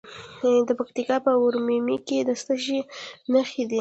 د پکتیکا په ورممی کې د څه شي نښې دي؟